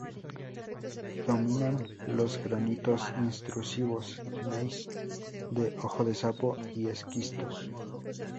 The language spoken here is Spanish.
Dominan los granitos intrusivos, gneis de "ojo de sapo" y esquistos.